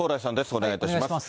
お願いいたします。